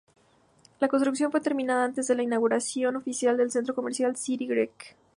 La construcción fue terminada antes de la inauguración oficial del centro comercial City Creek.